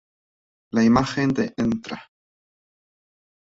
La imagen de Ntra.